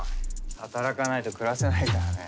働かないと暮らせないからね。